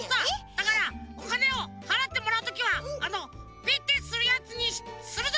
だからおかねをはらってもらうときはあのピッてするやつにするぞ！